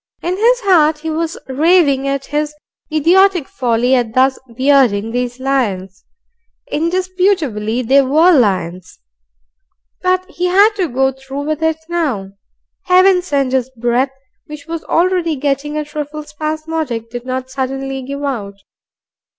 In his heart he was raving at his idiotic folly at thus bearding these lions, indisputably they WERE lions, but he had to go through with it now. Heaven send, his breath, which was already getting a trifle spasmodic, did not suddenly give out.